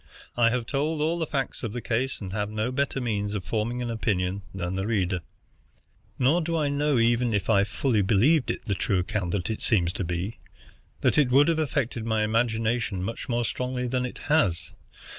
I have told all the facts of the case, and have no better means for forming an opinion than the reader. Nor do I know, even if I fully believed it the true account it seems to be, that it would have affected my imagination much more strongly than it has.